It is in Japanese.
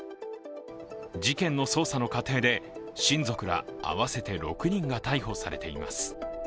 事件の捜査の過程で親族ら合わせて６人が逮捕されています。